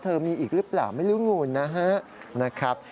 มีอีกหรือเปล่าไม่รู้งูนนะครับ